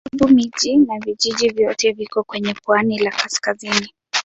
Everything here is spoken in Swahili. Karibu miji na vijiji vyote viko kwenye pwani la kaskazini.